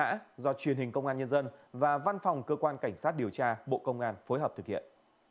hết sức lưu ý quý vị không nên có những hành động truy nã do truyền hình công an nhân dân và văn phòng cơ quan cảnh sát điều tra bộ công an phối hợp thực hiện